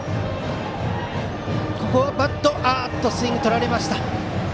ここはバットスイングとられました。